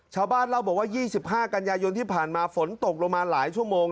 ชาวบ้านเล่าบอกว่า๒๕กันยายนที่ผ่านมาฝนตกลงมาหลายชั่วโมง